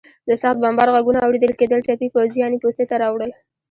د سخت بمبار غږونه اورېدل کېدل، ټپي پوځیان یې پوستې ته راوړل.